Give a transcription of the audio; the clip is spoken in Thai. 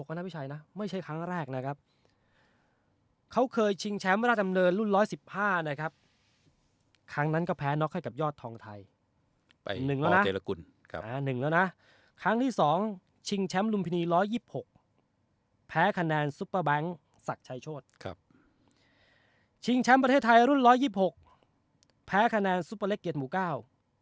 ไปหนึ่งแล้วนะครับอ่าหนึ่งแล้วนะครั้งที่สองชิงแชมป์ลุมพินีร้อยยิบหกแพ้คะแนนซุปเปอร์แบงค์ศักดิ์ชัยโชธครับชิงแชมป์ประเทศไทยรุ่นร้อยยิบหกแพ้คะแนนซุปเปอร์เล็กเกียรติหมู่เก้า